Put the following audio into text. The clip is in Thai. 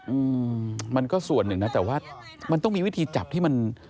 อืมมันก็ส่วนหนึ่งนะแต่ว่ามันต้องมีวิธีจับที่มัน